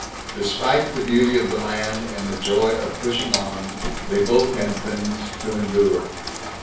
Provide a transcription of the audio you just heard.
Despite the beauty of the land and the joy of pushing on, they both had things to endure.